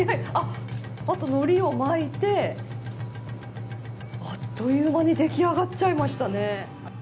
あとは海苔を巻いてあっという間に出来上がっちゃいましたね